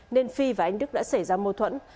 nên phi và anh đức đã xảy ra mâu thuẫn